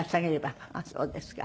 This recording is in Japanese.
あっそうですか。